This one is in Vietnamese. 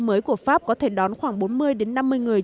mới của pháp có thể đón khoảng bốn mươi năm mươi người